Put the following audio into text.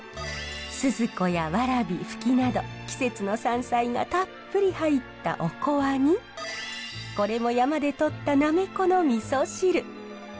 スズコやワラビフキなど季節の山菜がたっぷり入ったおこわにこれも山でとったナメコの味噌汁。